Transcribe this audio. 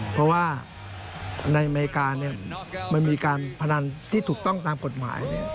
เพราะว่าในอเมริกามันมีการพนันที่ถูกต้องตามกฎหมาย